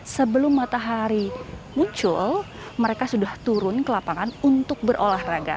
sebelum matahari muncul mereka sudah turun ke lapangan untuk berolahraga